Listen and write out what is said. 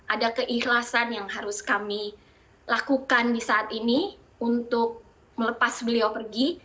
ada keikhlasan yang harus kami lakukan di saat ini untuk melepas beliau pergi